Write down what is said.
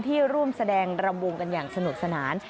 ร่วมแสดงรำวงกันอย่างสนุกสนาน